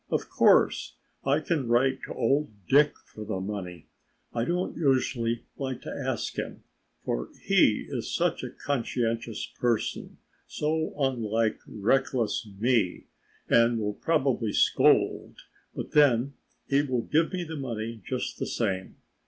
"Of course I can write to old Dick for the money. I don't usually like to ask him, for he is such a conscientious person, so unlike reckless me, and will probably scold, but then he will give me the money just the same.